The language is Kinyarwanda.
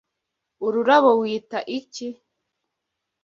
Ururabo wita iki?